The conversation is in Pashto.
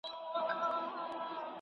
د سردرد درد سر ته رسېږي.